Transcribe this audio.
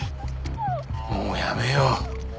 もうやめよう。